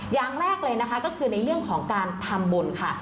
อย่างแรกเลยนะคะก็คือในเรื่องของการทำบุญค่ะ